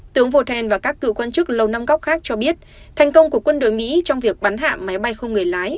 tướng vthens và các cựu quan chức lầu năm góc khác cho biết thành công của quân đội mỹ trong việc bắn hạ máy bay không người lái